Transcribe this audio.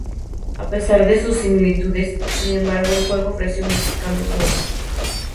A pesar de sus similitudes, sin embargo, el juego ofreció muchos cambios nuevos.